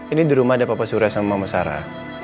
ini di rumah ada papa surya sama mama sarah